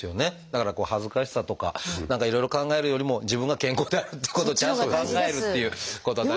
だからこう恥ずかしさとか何かいろいろ考えるよりも自分が健康であるってことをちゃんと考えるっていうことは。